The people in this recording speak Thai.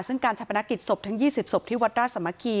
ซึ่งการชะปนักกิจศพทั้ง๒๐ศพที่วัดราชสามัคคี